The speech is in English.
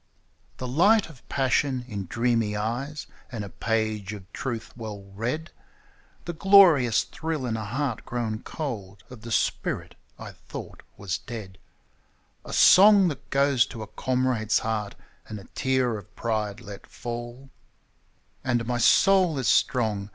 The light of passion in dreamy eyes, and a page of truth well read, The glorious thrill in a heart grown cold of the spirit I thought was dead, A song that goes to a comrade's heart, and a tear of pride let fall — And my soul is strong!